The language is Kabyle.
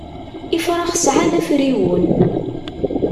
Ifrax sεan afriwen.